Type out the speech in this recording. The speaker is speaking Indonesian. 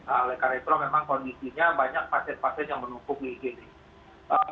oleh karena itu memang kondisinya banyak pasien pasien yang menumpuk di sini